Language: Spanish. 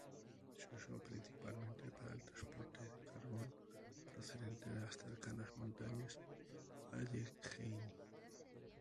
Se usó principalmente para el transporte de carbón procedente de las cercanas montañas Allegheny.